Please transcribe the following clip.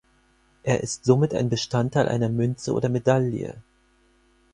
Er ist somit ein Bestandteil einer Münze oder Medaille.